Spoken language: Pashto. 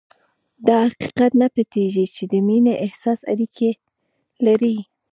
دا حقيقت نه پټېږي چې د مينې احساس اړيکې لري.